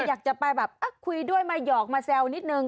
อยากจะไปแบบคุยด้วยมาหยอกมาแซวนิดนึง